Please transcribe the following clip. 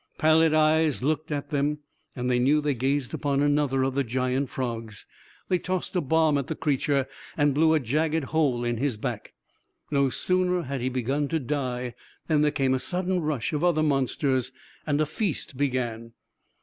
Pallid eyes looked at them, and they knew they gazed upon another of the giant frogs. They tossed a bomb at the creature, and blew a jagged hole in his back. No sooner had he begun to die than there came a sudden rush of other monsters and a feast began.